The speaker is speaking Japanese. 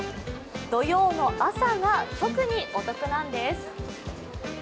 土曜の朝が特にお得なんです。